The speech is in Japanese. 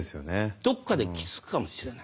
どこかで気付くかもしれない。